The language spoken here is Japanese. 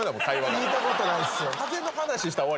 聞いた事ないっすよ。